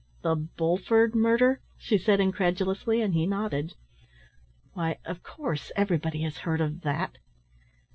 "The Bulford murder?" she said incredulously, and he nodded. "Why, of course, everybody has heard of that."